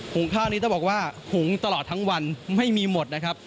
งข้าวนี้ต้องบอกว่าหุงตลอดทั้งวันไม่มีหมดนะครับ